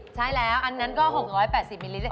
ใช่แล้วอันนั้นก็๖๘๐มิลลิตร